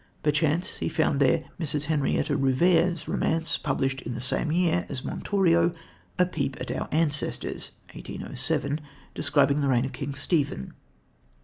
Perchance, he found there Mrs. Henrietta Rouvière's romance, (published in the same year as Montorio,) A Peep at our Ancestors (1807), describing the reign of King Stephen.